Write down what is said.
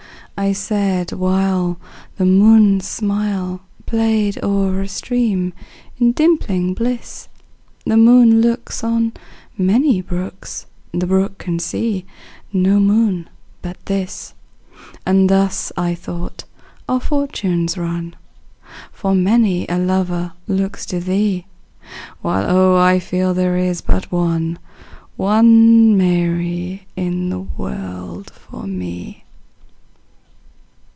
I said (while The moon's smile Played o'er a stream, in dimpling bliss,) "The moon looks "On many brooks, "The brook can see no moon but this;" And thus, I thought, our fortunes run, For many a lover looks to thee, While oh! I feel there is but one, One Mary in the world for me.